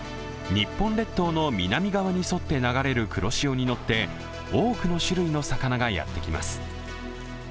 日本列島の南側に沿って流れる黒潮に乗って多くの種類の魚がやってきます。